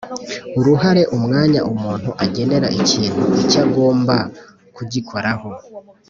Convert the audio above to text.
Uruhare Umwanya umuntu agenera ikintu icyo agomba kugikoraho